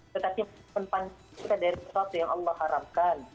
tetapi mempansuhi dari sesuatu yang allah haramkan